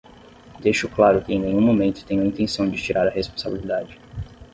Deixo claro que em nenhum momento tenho a intenção de tirar a responsabilidade